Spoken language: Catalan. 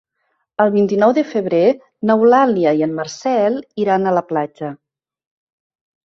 El vint-i-nou de febrer n'Eulàlia i en Marcel iran a la platja.